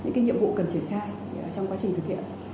những nhiệm vụ cần triển khai trong quá trình thực hiện